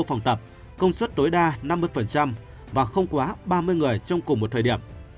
phòng tập công suất tối đa năm mươi và không quá ba mươi người trong cùng một thời điểm